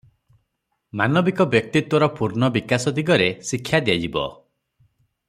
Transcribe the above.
ମାନବିକ ବ୍ୟକ୍ତିତ୍ୱର ପୂର୍ଣ୍ଣ ବିକାଶ ଦିଗରେ ଶିକ୍ଷା ଦିଆଯିବ ।